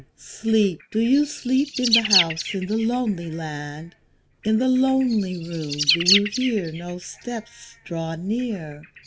Sleep, do you sleep in the house in the lonely land? In the lonely room do you hear no steps draw near?